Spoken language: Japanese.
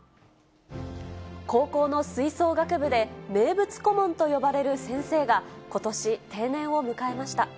高校の吹奏楽部で、名物顧問と呼ばれる先生が、ことし定年を迎えました。